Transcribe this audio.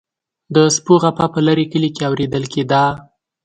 د سپو غپا په لرې کلي کې اوریدل کیده.